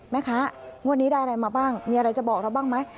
แม่ค้างวดนี้ได้อะไรมาบ้างมีอะไรจะบอกเราบ้างไหม